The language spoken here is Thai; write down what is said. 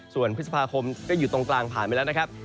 ส่วนพฤษภาคมก็อยู่ตรงกลางผ่านไปแล้วนะครับ